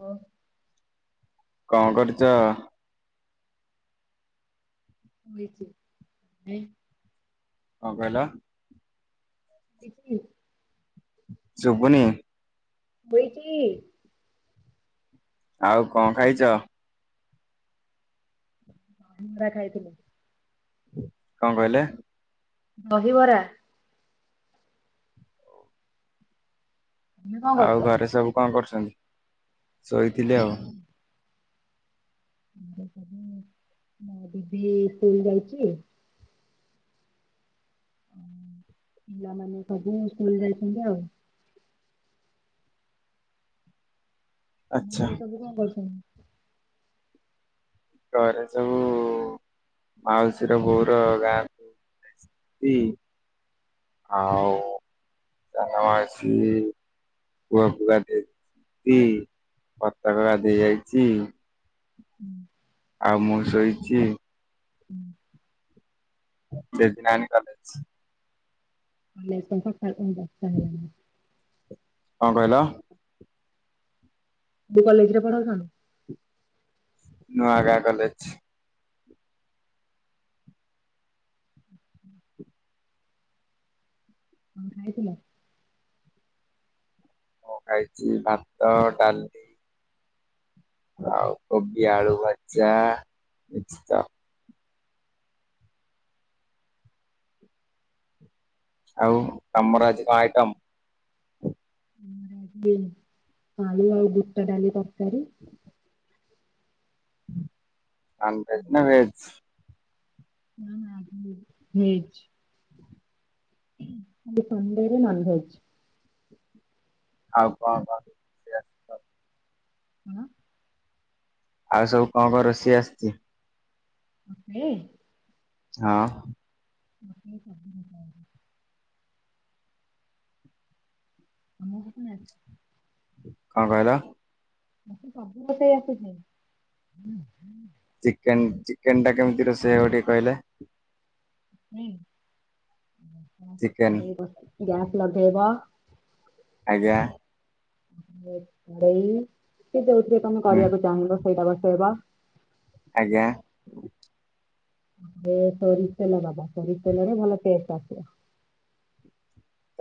ଓଃ। କଣ କରୁଛ? [unintelligible] କଣ କହିଲ? [unintelligible] ଶୁଭୁନି। ବଇଚି। ଆଉ କଣ ଖାଇଛ? [unintelligible] ଖାଇଥିଲି। କଣ କହିଲେ? ଦହିବରା। ତମେ କଣ ଆଉ କରୁଛ? ଘରେ ସବୁ କଣ କରୁଛନ୍ତି? ଶୋଇଥିଲି ଆଉ। [unintelligible] ମୋ ଦିଦି ସ୍କୁଲ୍ ଯାଇଛି ଓ ପିଲାମାନେ ସବୁ ସ୍କୁଲ ଯାଇଛନ୍ତି ଆଉ। ତମ ଆଚ୍ଛା ଘରେ ସବୁ କଣ କରୁଛନ୍ତି? ଘରେ ସବୁ ମାଉସୀର, ବୋଉର ଗାଁ [unintelligible] ଆଉ ସାନ ମାଉସୀ [unintelligible] ଆଉ ମୁଁ ଶୋଇଛି। [unintelligible] [unintelligible] କଣ କହିଲ? [unintelligible] ନୂଆଗାଁ କଲେଜ। ହ୍ କଣ ଖାଇଥିଲ। ମୁଁ ଖାଇଛି ଭାତ ଡାଲି ଆଉ କୋବି ଆଳୁ ଭଜା [inaudible] ଆଉ ତମର ଆଜି କଣ ଆଇଟମ। ଆମର ଆଳୁ ଆଉ ବୁଟ ଡାଲି ତରକାରୀ। ନନଭେଜ ନା ଭେଜ୍। ନା ନା ଭେଜ୍। [unintelligible] Non veg. ଆଉ କଣ [unintelligible] ଆସିଛି? ହଁ। ଆଉ ସବୁ କଣ କଣ ରୋଷେଇ ଆସିଛି। ମତେ। ହଁ। [inaudible] [inaudible] କଣ କହିଲ। [inaudible] ଚିକେନ ଚିକେନ ଟା କେମିତି ରୋସେଇ ହବ ଟିକେ କହିଲେ। ଚିକେନ [inaudible] ଗ୍ୟାସ୍ ଲଗେଇବ। ଆଜ୍ଞା। ତାପରେ କଡ଼େଇ କି ଯୋଉଥିରେ ତମେ ହୁଁ କରିବାକୁ ଚାହିଁବ ସେଇଟା ବସେଇବ। ଆଜ୍ଞା। ଏ ସୋରି ତେଲ ଦବ ସୋରିସ ତେଲରେ ଭଲ ଟେଷ୍ଟ ଆସିବ।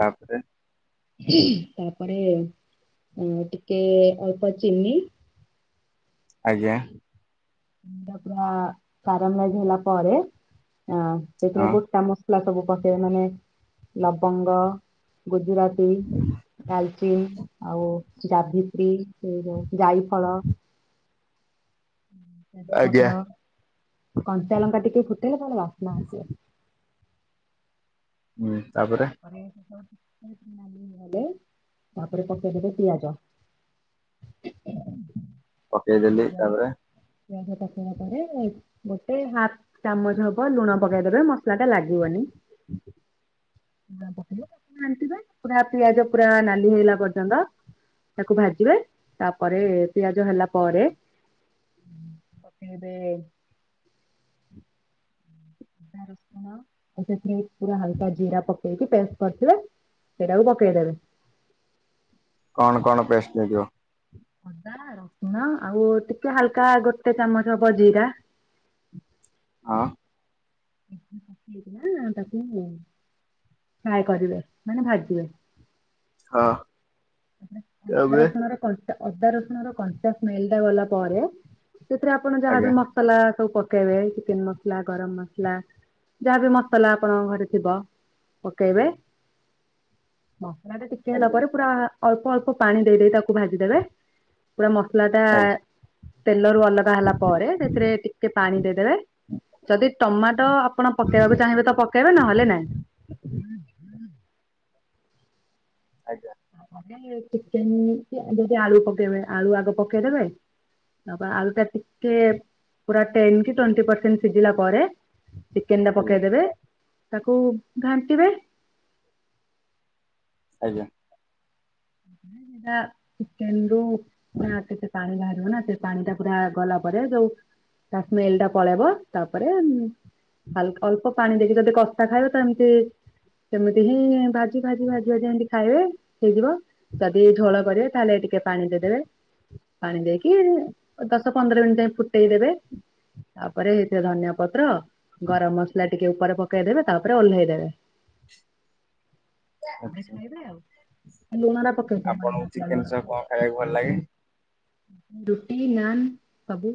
ତାପରେ। ତାପରେ ଅ ଟିକେ ଅଳ୍ପ ଚିନି ଆଜ୍ଞା। ତ ପୁରା କାରାମ ହେଇ ଗଲା ପରେ ଅ ସେଥିରେ ହଁ ଗୋଟା ମ ସଲା ସବୁ ପକେଇବେ ମାନେ ଲବଙ୍ଗ ଗୁଜୁରାତି ଡାଲଚିନ ଆଉ ଯାଭିତ୍ରି ସେ ଯୋଉ ଜାଇ ଫଳ। ତେଜ ଆଜ୍ଞା ପତ୍ର କଞ୍ଚା ଲଙ୍କା ଟିକେ ଫୁଟେଇଲେ ତାରେ ବାସ୍ନା ଆସିବ। ହୁଁ ତାପରେ। [inaudible] ତାପରେ ପକେଇଦେବେ ପିଆଜ। ପକେଇଦଲି ପିଆଜରେ ତାପରେ। ପିଆଜ ପକେଇଲା ପରେ ଏଇ ଗୋଟେ ହାଫ ଚାମଚ ହବ ଲୁଣ ପକେଇଦବେ ମସଲା ଟା ଲାଗିବନି। ହୁଁ। ଲୁଣ ପକେଇବେ ଘାଣ୍ଟିବେ ପୁରା ପିଆଜ ପୁରା ନାଲି ହେଇଗଲା ପର୍ଯ୍ୟନ୍ତ। ତାକୁ ଭାଜିବେ ତାପରେ ପିଆଜ ହେଲା ପରେ ଉ ପକେଇବେ ଅଦା ରସୁଣ ଆ ସେଥିରେ ପୁରା ହାଲକା ଜିରା ପକେଇକି ପେଷ୍ଟ କରିଥିବେ ସେଇଟାକୁ ପକେଇଦେବେ। କଣ କଣ ପେଷ୍ଟି ଲାଗିବ। ଅଦା ରସୁଣ ଆଉ ଟିକେ ହାଲକା ଗୋଟେ ଚାମଚ ହବ ଜିରା। ହଁ। [inaudible] ତାକୁ ଫ୍ରାଏ କରିବେ ମାନେ ଭାଜିବେ। ହଁ। ତାପ ଅଦା ତାପରେ ରସୁଣ ର ଅଦା ରସୁଣ ର କଂଞ୍ଚା ସ୍ମେଲ ଟା ଗଲା ପରେ ସେଥିରେ ଆପଣ ଆଜ୍ଞା ଯାହାବି ମସଲା ସବୁ ପକେଇବେ ଚିକେନ ମସଲା ଗରମ ମସଲା ଯାହା ବିି ମସଲା ଆପଣଙ୍କ ଘରେ ଥିବ ପକେଇବେ ମସଲାଟା ଟିକେ ହେଲା ଆଜ୍ଞା ପରେ ପୁରା ଅଳ୍ପ ଅଳ୍ପ ପାଣି ଦେଇ ଦେଇଦେଇ ତାକୁ ଭାଜିଦେବେ ପୁରା ମସଲାଟା ଆଜ୍ଞା ତେଲରୁ ଅଲଗା ହେଲା ପରେ ସେଥିରେ ଟିକେ ପାଣି ଦେଇଦେବେ ଯଦି ଟମାଟୋ ଆପଣ ପକେଇବାକୁ ଚାହିଁବେ ତ ପକେଇବେ ନହେଲେ ନାଇ। ଆଜ୍ଞା। ଚିକେନ ଯଦି ଆଳୁ ପକେଇବେ ଆଳୁ ଆଗ ପକେଇଦେବେ। ତାପରେ ଆଳୁଟା ଟିକେ ପୁରା ଟେନ କି ଟ୍ୱଣ୍ଟି ପରସେଣ୍ଟ ସିଝିଲା ପରେ ଚିକେନଟା ଆଜ୍ଞା ପକେଇଦବେ ତାକୁ ଘାଣ୍ଟିବେ। ଆଜ୍ଞା। ଟା କେନ୍ଦୁ ପୁରା କେତେ ପାଣି ବାହାରିବ ନା ସେ ପାଣିଟା ପୁରା ଗଲା ପରେ ଯୋଉ ତା ସ୍ମେଲଟା ପଳେଇବ ତାପରେ ହାଲ୍କା ଅଳ୍ପ ପାଣି ଦେଇକି ଯଦି କଷା ଖାଇବେ ତ ଏମିତି ସେମିତି ହିଁ ଭାଜି ଭାଜି ଭାଜି ଭାଜି ଏମିତି ଖାଇବେ ହେଇଯିବ। ଯଦି ଝୋଳ କରିବେ ତାହେଲେ ଟିକେ ପାଣି ଦେଇଦେବେ। ପାଣି ଦେଇକି ଦଶ ପନ୍ଦର ମିନିଟ୍ ଯାଏ ଫୁଟେଇ ଦେବେ। ତାପରେ ହେଇଥ ଧନିଆ ପତ୍ର ଗରମ ମସଲା ଟିକେ ଉପରେ ପକେଇଦେବେ ତାପରେ ଓହ୍ଲେଇଦବେ। ଆଛା ଖାଇବେ ଆ ଲୁଣଟା ପକେଇଛ ମନେ ଆପଣଙ୍କୁ ନଥିଲା ଚିକେନ ଲୁଣ ସହ କଣ ଖାଇବାକୁ ଭଲ ଲାଗେ ଦୁଟି ନାନ୍ ସବୁ।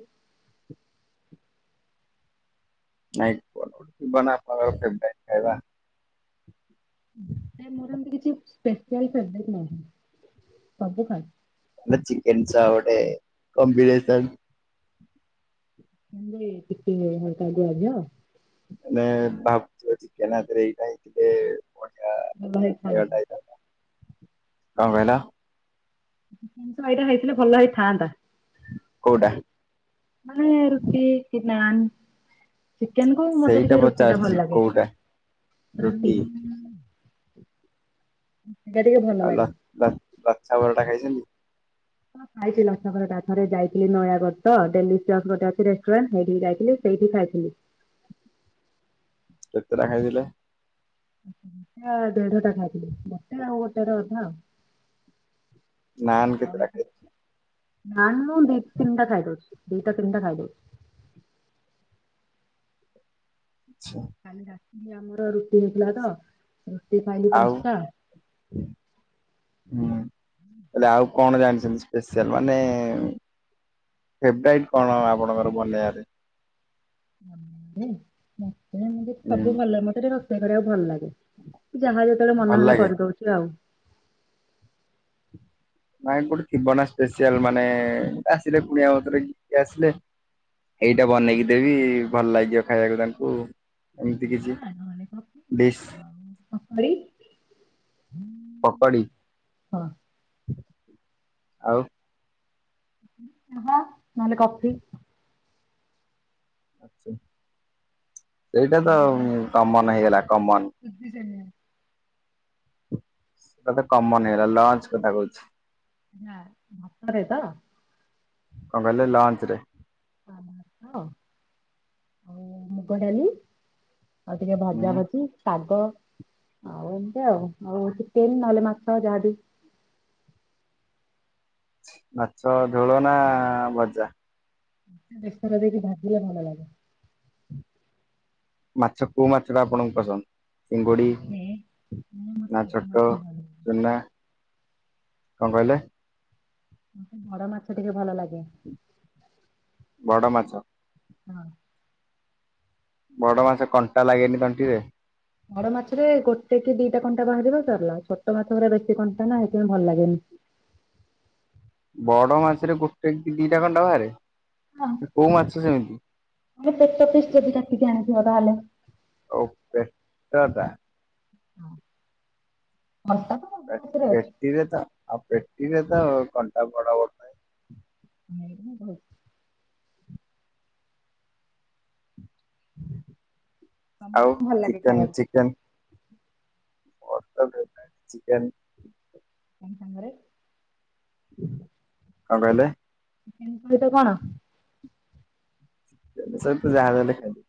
ନାଇଁ [inaudible] ଖାଇବା। ନାଇଁ ମୋର ଏମିତି କିଛି ସ୍ପେସିଆଲ ଫେବ୍ରେଟ ନାଇଁ ସବୁ ଖାଇ। ଚିକେନ ଚା ଗୋଟେ କମ୍ବିନେସନ୍। [inaudible] ମାନେ ଭାବୁଛ ଚିକେନ୍ ଆ ଦିହରେ ଟିକେ ହେଇଥାଏ ଟିକେ। ଏ ଭାଇ ଥାଉ କଣ କହିଲ? ଜିନିଷ ଭାଇଟା ହେଇଥିଲେ ଭଲ ହେଇଥାନ୍ତା। କୋଉଟା? ମାନେ ରୁଟିି କି ନାନ୍? ଚିକେନକୁ ମତେ ସେଇଟା ଟିକେ ରୁଟିଟା ଭଲ ପଚାରୁଛି ଲାଗେ କୋଉଟା ରୁଟି ରୁଟିଟା ଟିକେ ଭଲ ଲାଗେ। ବା ବାଚଛା ପରଟା ଖାଇଛନ୍ତି? ହଁ ଖାଇଛି ଲଛାପରଟା ତ ଥରେ ଯାଇଥିଲି ନୟାଗଡ଼ ତ ଡେଲିସିଅସ ଗୋଟେ ଅଛି ରେଷ୍ଟୁରାଣ୍ଟ ହେଇଠିକି ଯାଇଥିଲି। ସେଇଠି ଖାଇଥିଲି। କେତେଟା ଖାଇଥିଲେ? ଗୋଟ ଦେଢଟା ଖାଇଥିଲି ଗୋଟେ ଆଉ ଗୋଟେ ର ଅଧା ଆଉ। ନାନ୍ କେତେଟା ଓକେ ନାନ ମୁଁ ଦୀ ତିନଟା ଖାଇଦେଉଛି ଦୀଟା ତିନିଟା ଖାଇଦେଉଛି। ଆଛା। କାଲି ରାତି ଆମର ରୁଟି ହେଇଥିଲା ତ ରୁଟି ଖାଇଲି ଆଉ ପାଞ୍ଚଟା। ହୁଁ। ହେଲେ ଆଉ କଣ ଜାଣିଛନ୍ତି ସ୍ପେସିଆଲ ମାନେ ଫେବରାଇଟ କଣ ଆପଣଙ୍କର ବନେଇବାରେ ମତେ ମତେ ଉଁ ସବୁ ଭଲ ମତେ ଟିକେ ରୋଷେଇ କରିବାକୁ ଭଲ ଲାଗେ। ଯାହା ଯେତେବେଳେ ଭଲ ମନ ହେଲା ଲାଗେ କରିଦଉଛି ଆଉ ନାଇଁ ଗୋଟେ ଥିବ ନା ସ୍ପେସିଆଲ ମାନେ ଆସିଲେ କୁଣିଆ ମନ୍ତର କିଏ ଆସିଲେ? ଏଇଟା ବନେଇକି ଦେବି ଭଲ ଲାଗିବ ଖାଇବାକୁ ତାଙ୍କୁ ଏମିତି ଚାହା କିଛି ଡିସ୍? ପକଡ଼ି। ପକଡ଼ି ହଁ ଆଉ ଚା ନହେଲେ କଫି। ସେଇଟା ତ ନହେଲେ ଯୋଉ ସୁଜି କମନ୍ ସେମିଆ ହେଇଗଲା କମନ୍। [unintelligible] ସେଟା ତ କମନ୍ ହେଇଗଲା ଲଞ୍ଚ କଥା କହୁଛି। ହଁ ଭୋକରେ ତ? କଁ କହିଲେ ଲଞ୍ଚ୍ ରେ ଭାତ ଆଉ ମୁଗଡାଲି। ଆଉ ଟିକେ ହୁଁ ଭାଜା ଭଜି। ଶାଗ ଆଉ ଏମତିଆଉ ଆଉ ଚିକେନ୍ ନହେଲେ ମାଛ ଯାହାବି ମାଛ ଝୋଳ ନା ଭଜା? ବେସର ଦେଇକି ଭାଜିଲେ ଭଲ ଲାଗେ। ମାଛ କୋଉ ମାଛଟା ଆପଣଙ୍କୁ ପସନ୍ଦ? ଚିଙ୍ଗୁଡ଼ି ମତେ ମତେ ନା ସବୁ ମାଛ ଛୋଟ ଭଲ ଲାଗେ। ଚୂନା କଣ କହିଲେ? ମତେ ବଡ଼ ମାଛ ଟିକେ ଭଲ ଲାଗେ। ବଡ଼ ମାଛ। ହଁ। ବଡ଼ ମାଛ କଣ୍ଟା ଲାଗେନି ତଣ୍ଟିରେ? ବଡ଼ ମାଛରେ ଗୋଟେ କି ଦିଟା କଣ୍ଟା ବାହାରିବ ସରିଲା। ଛୋଟ ମାଛଗୁରା ବେଶୀ କଣ୍ଟା ନା ହେଇଥିପାଇଁ ଭଲ ଲାଗେନି। ବଡ଼ ମାଛରେ ଗୋଟେ କି ଦିଟା କଣ୍ଟା ବାହାରେ? ହଁ। କୋଉ ମାଛ ସେମତି? ଆମେ ପେଟ ପିସ୍ ଯଦି କାଟିକି ଆଣିଥିବା ତାହେଲେ। ଓ ପେଟ ଟା? ମଟନ? ପେଟିରେ ତ ଆଉ ପେଟିରେ ତ କଣ୍ଟା ବଡ଼ ବଡ଼। ଉଁ ହୁଁ। ତମକୁ ଆଉ କଣ ଭଲ ଲାଗେ ଚିକେନ୍ ଖାଇବାକୁ ଚିକେନ୍? ମଟନ୍ ଖାଇବ ନା ଚିକେନ୍? [unintelligible] ସାଙ୍ଗରେ କଣ କହିଲେ? ଚିକେନ୍ ସହିତ କଣ? ଚିକେନ୍ ସହିତ ଯାହା ଦେଲେ ଖାଇବି।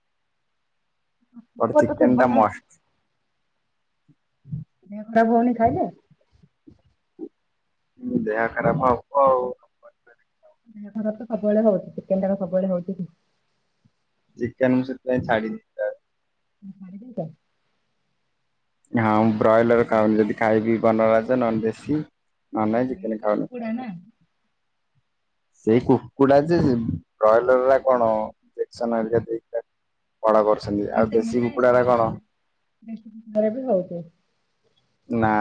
ବଟ୍ ଗୋଟେ ଚିକେନ୍ ଥିବ ଟା ନା ମଷ୍ଟ୍। ହୁଁ ଭାଈ ଭଉଣୀ ଖାଇଲେ? ଦେହ ଖରାପ ହବ ଆଉ। ଦେହ ଖରାପ ତ ସବୁବେଳେ ହଉଚି। ଚିକେନ ଟା କଣ ସବୁବେଳେ ହଉଚି କି? ଚିକେନ୍ ସେଥିପାଇଁ ଛାଡ଼ିନି। ତମେ ଛାଡ଼ିଦେଇଚ? ହଁ ବ୍ରଏଲର ଖାଉନି। ଯଦି ଖାଇବି ବନରାଜ ନ ହନେ ଦେଶୀ। ନହେଲେ ନାଇ ସେଇ ଚିକେନେ ତ ଖାଉନି। କୁକୁଡ଼ା ନା ସେଇ କୁକୁଡ଼ା ଯେ ବ୍ରଏଲର୍ ଗୁରା କଣ ଇଞ୍ଜେକ୍ସନ୍ ହେରିକା ଦେଇଥାନ୍ତି। ବଡ଼ କରୁଛନ୍ତି ଆଉ ଦେଶୀ କୁକୁଡ଼ା ଟା କଣ? ଇନଫେକ୍ସନ୍ ହେରା ବି ହଉଚି। ନା।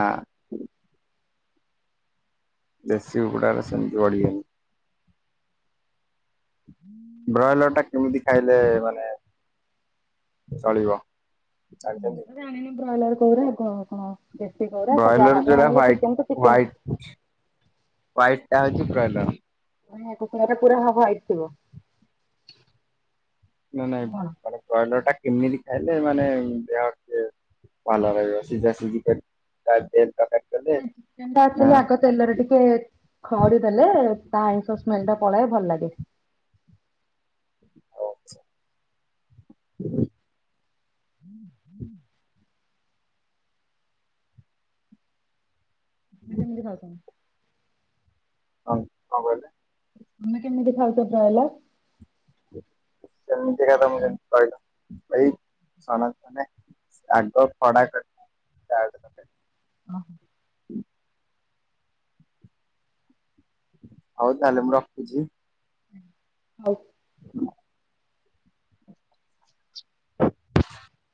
ଦେଶୀ କୁକୁଡାଗୁରା ସେମତି ବଢିବେନି। ବ୍ରଏଲର୍ ଟା କେମିତି ଖାଇଲେ ମାନେ ଚଳିବ? ଆଜି ମୁଁ କେମିତି? ତ ଜାଣିନି ବ୍ରଏଲର୍ କୁକୁରା ଆଉ କଣ କଣ ଦେଶୀ କୁକୁରା ଯାହା ଯାହା ଆଣିଲେ ଚିକେନ୍ ତ ଚିକେନ୍। ହ୍ବାଇଟ ଟା ହଉଛି ବ୍ରଏଲର୍। ଏଁ, କୁକୁଡ଼ା ଟା ପୁରା ହବ ହ୍ବାଇଟ ଥିବ। ନାଇଁ ନାଇଁ କଣ ମାନେ ବ୍ରଏଲର୍ ଟା କେମିତି ଖାଇଲେ ମାନେ ଦେହ ଟିକେ ଭଲ ରହିବ। ସିଝା ସିଜି କରି [unintelligible] କଲେ ହେ ଚିକେନ୍ ଟା ନା ଆକ୍ଚୁଲି ଆଉ ଆଗ ତେଲରେ ଟିକେ ଖଡି ଦେଲେ ତା ଆଇଁଷ ସ୍ମେଲ୍ ଟା ପଳାଏ ଭଲ ଲାଗେ। ଆଛ ହୁଁ ହୁଁ ଆପଣ କେମିତି ଖାଉଛନ୍ତି? ହଁ କଣ କହିଲେ? ତୋମେ କେମିତି ଖାଉଛ କହିଲ? ସେମିତିରେ ତୋମେ ଯେମିତି କହିଲ। ଏଇ ସମାନ ମାନେ ଆଗ ଖଡା କର ହଉ ତାହେଲେ ମୁଁ ରଖୁଛି। ହଉ। ହୁଁ